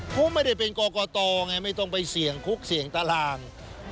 เขาไม่ได้เป็นกรกตไงไม่ต้องไปเสี่ยงคุกเสี่ยงตาราง